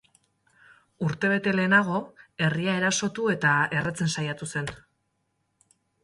Urtebete lehenago, herria erasotu eta erretzen saiatu zen.